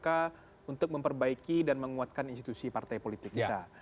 karena itu adalah kerangka untuk memperbaiki dan menguatkan institusi partai politik kita